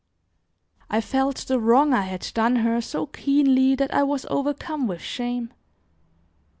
I felt the wrong I had done her so keenly that I was overcome with shame.